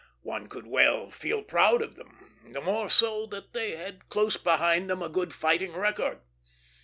One could well feel proud of them; the more so that they had close behind them a good fighting record.